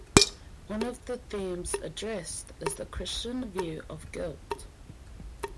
One of the themes addressed is the Christian view of guilt.